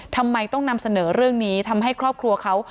ทำไมต้องนำเสนอเรื่องนี้ทำให้ครอบครัวเขา